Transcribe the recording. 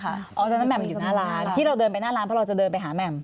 เพราะฉะนั้นแหม่มอยู่หน้าร้านที่เราเดินไปหน้าร้านเพราะเราจะเดินไปหาแหม่ม